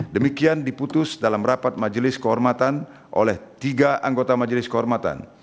demikian diputus dalam rapat majelis kehormatan oleh tiga anggota majelis kehormatan